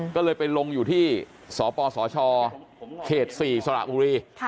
ก็เลยไปลงอยู่ที่สปสชเขต๔สระบุรี